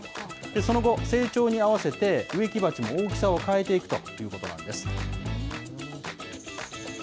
その後、成長に合わせて植木鉢の大きさを変えていくということなんです。